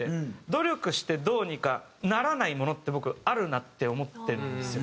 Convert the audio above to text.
努力してどうにかならないものって僕あるなって思ってるんですよ。